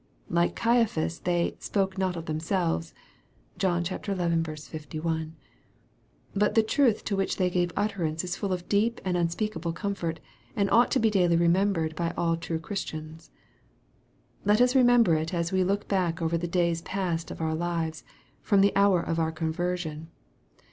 Like Caiaphas, they " spoke not of themselves." (John xi. 51.) But the truth to which they gave utterance is full of deep and unspeakable comfort, and ought to be daily remembered by all true Christians. Let us remember it as we look back over the days past of our lives, from the hour of our conversion.